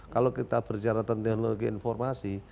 kalau kita bersyaratan teknologi informasi